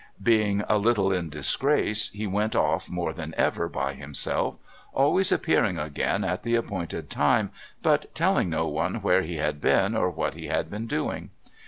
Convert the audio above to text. Being a little in disgrace he went off more than ever by himself, always appearing again at the appointed time, but telling no one where he had been or what he had been doing.